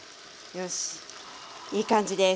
よしいい感じです。